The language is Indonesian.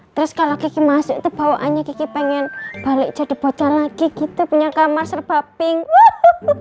terus kalau kiki masuk itu bawaannya kiki pengen balik jadi bocah lagi gitu punya kamar serba pink